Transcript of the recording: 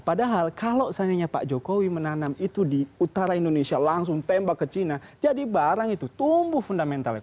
padahal kalau seandainya pak jokowi menanam itu di utara indonesia langsung tembak ke cina jadi barang itu tumbuh fundamental